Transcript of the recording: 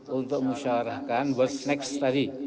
untuk musyawarahkan what's next